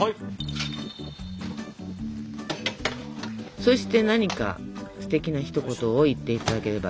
そして何かすてきなひと言を言っていただければ。